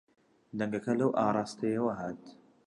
دەنگەکە لەو ئاراستەیەوە هات.